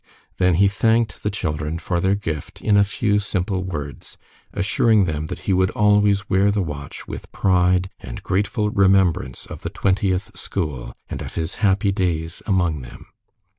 Then he thanked the children for their gift in a few simple words, assuring them that he should always wear the watch with pride and grateful remembrance of the Twentieth school, and of his happy days among them.